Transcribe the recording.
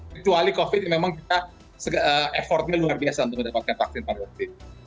kecuali covid memang kita effortnya luar biasa untuk mendapatkan vaksin pada waktu itu